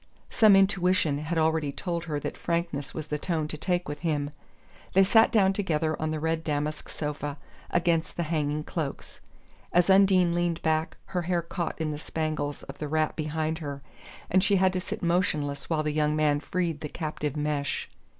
Some intuition had already told her that frankness was the tone to take with him. They sat down together on the red damask sofa, against the hanging cloaks. As Undine leaned back her hair caught in the spangles of the wrap behind her, and she had to sit motionless while the young man freed the captive mesh.